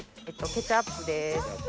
ケチャップです。